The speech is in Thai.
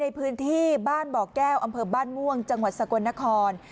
ในพื้นที่บ้านบ่อแก้วอำเภอบ้านม่วงจังหวัดสกลนคร